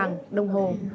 hàng đồng hồ